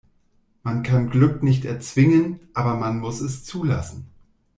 Man kann Glück nicht erzwingen, aber man muss es zulassen.